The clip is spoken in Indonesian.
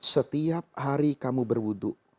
setiap hari kamu berwudhu